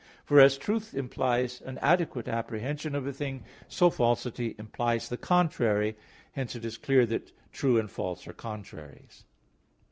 For as truth implies an adequate apprehension of a thing, so falsity implies the contrary. Hence it is clear that true and false are contraries.